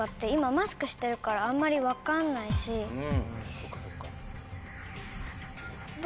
そっかそっか。